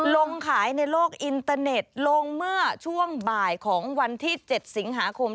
ลงขายในโลกอินเตอร์เน็ตลงเมื่อช่วงบ่ายของวันที่๗สิงหาคม